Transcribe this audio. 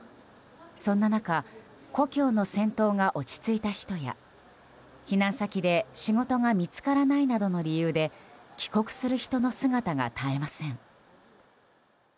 そんな中、故郷の戦闘が落ち着いた人や避難先で仕事が見つからないなどの理由で帰国する人の姿が絶えません。